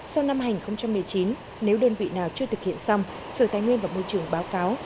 sau năm hai nghìn một mươi chín nếu đơn vị nào chưa thực hiện xong sở tài nguyên và môi trường báo cáo